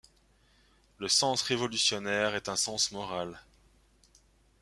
Le sens révolutionnaire est un sens moral.